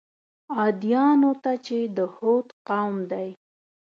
عادیانو ته چې د هود قوم دی.